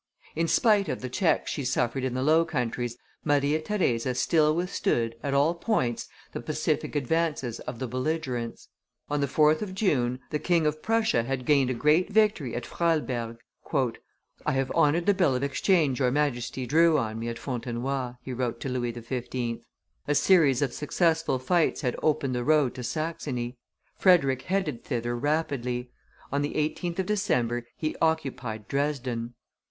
In spite of the checks she suffered in the Low Countries, Maria Theresa still withstood, at all points, the pacific advances of the belligerents. On the 4th of June, the King of Prussia had gained a great victory at Freilberg. "I have honored the bill of exchange your Majesty drew on me at Fontenoy," he wrote to Louis XV. A series of successful fights had opened the road to Saxony. Frederick headed thither rapidly; on the 18th of December he occupied Dresden.